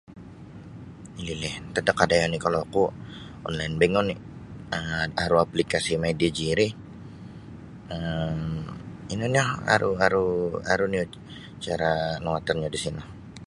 Elili [unintelligible] kalau aku online bank oni um aru aplikasi mydigi ri um ino nio aru aru aru nio cara nawatannyo di sino.